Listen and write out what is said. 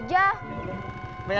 neng jangan aja